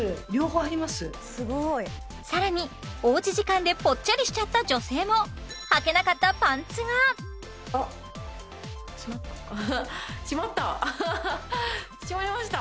更におうち時間でぽっちゃりしちゃった女性もはけなかったパンツがあっ閉まった閉まりました！